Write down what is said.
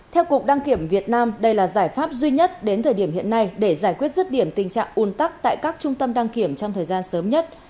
theo cục đăng kiểm việt nam đây là giải pháp duy nhất đến thời điểm hiện nay để giải quyết rứt điểm tình trạng un tắc tại các trung tâm đăng kiểm trong thời gian sớm nhất